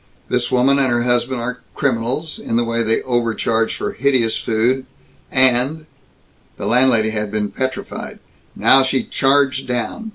This woman and her husband are criminals, in the way they overcharge for hideous food and " The landlady had been petrified. Now she charged down.